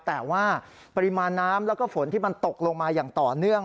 แต่ว่าปริมาณน้ำแล้วก็ฝนที่มันตกลงมาอย่างต่อเนื่อง